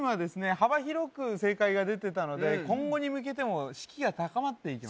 幅広く正解が出てたので今後に向けても士気が高まっていきますよね